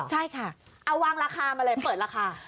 ใช่ค่ะเอาวางราคามาเลยเปิดราคา